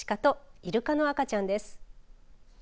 アシカとイルカの赤ちゃんです。